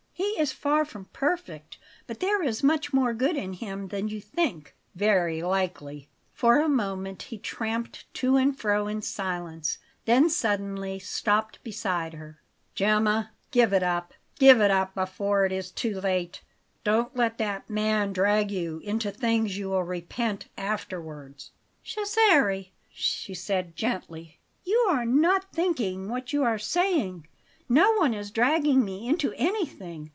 He is far from perfect, but there is much more good in him than you think." "Very likely." For a moment he tramped to and fro in silence, then suddenly stopped beside her. "Gemma, give it up! Give it up before it is too late! Don't let that man drag you into things you will repent afterwards." "Cesare," she said gently, "you are not thinking what you are saying. No one is dragging me into anything.